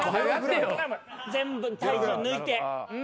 全部体重抜いて。